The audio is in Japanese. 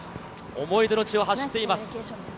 思い出の地を走っています。